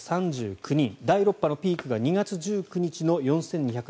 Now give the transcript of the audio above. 第６波のピークが２月１９日の４２７３人。